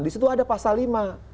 di situ ada pasal lima